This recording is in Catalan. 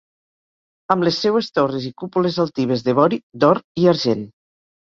Amb les seues torres i cúpules altives de vori, d’or i argent.